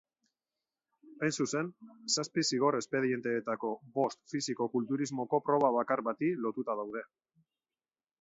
Hain zuzen, zazpi zigor espedienteetako bost fisiko-kulturismoko proba bakar bati lotuta daude.